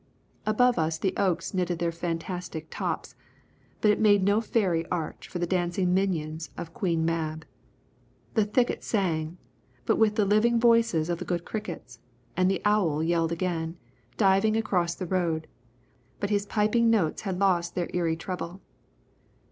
Above us the oaks knitted their fantastic tops, but it made no fairy arch for the dancing minions of Queen Mab. The thicket sang, but with the living voices of the good crickets, and the owl yelled again, diving across the road, but his piping notes had lost their eerie treble.